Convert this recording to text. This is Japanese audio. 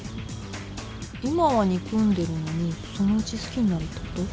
今は憎んでるのにそのうち好きになるってこと？